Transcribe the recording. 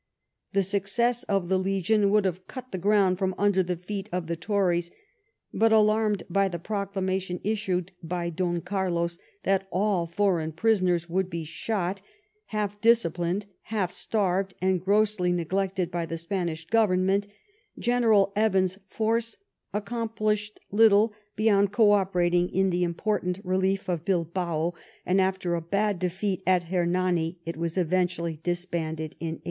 The success of the Legion would have cut the ground from under the feet of the Tories ; but, alarmed by a proclamation issued by Don Carlos that all foreign prisoners would be shot, half disciplined, half starved, and grossly neglected by the Spanish Government, General Evans's force accom plished little beyond co operating in the important 62 LIFE OF VISCOUNT PALMEB8T0N. relief of Bilbao, and, after a bad defeat at Hernani, it was eventually disbanded in 1888.